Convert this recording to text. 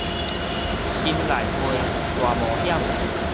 心內話大冒險